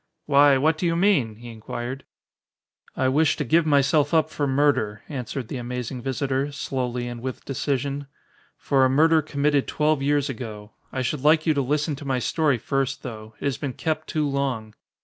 "Why, what do you mean?" he inquired. "I wish to give myself up for murder," answered the amazing visitor, slowly and with decision, "for a murder committed twelve years ago. I should like you to listen to my story first, though. It has been kept too long."